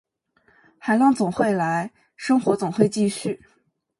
海浪会来，生活总会继续